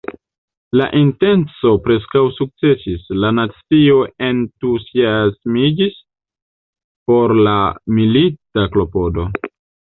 La intenco preskaŭ sukcesis: la nacio entuziasmiĝis por la milita klopodo.